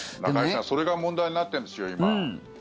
中居さん、それが問題になってるんですよ、今。